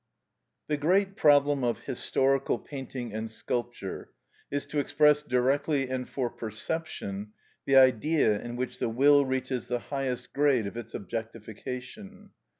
The great problem of historical painting and sculpture is to express directly and for perception the Idea in which the will reaches the highest grade of its objectification.